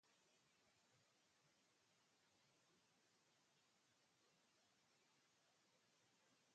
En ella enseñó el Venerable Francisco del Castillo.